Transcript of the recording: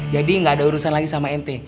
jadi gak ada urusan lagi sama ente